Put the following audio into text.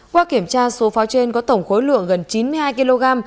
qua kiểm tra số pháo trên có tổng khối lượng gần chín mươi hai kg